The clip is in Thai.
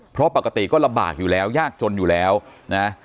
เพราะปกติก็ลำบากอยู่แล้วยากจนอยู่แล้วนะ